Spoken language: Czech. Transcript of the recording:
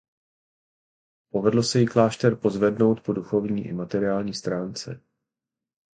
Povedlo se jí klášter pozvednout po duchovní i materiální stránce.